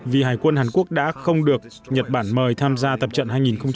vì hải quân hàn quốc đã không được nhật bản mời tham gia tập trận hai nghìn một mươi chín